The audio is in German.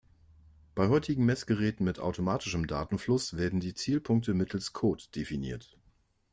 Bei heutigen Messgeräten mit automatischem Datenfluss werden die Zielpunkte mittels Code definiert.